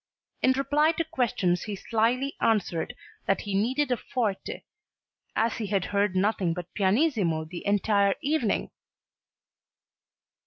In reply to questions he slily answered that he needed a forte as he had heard nothing but pianissimo the entire evening!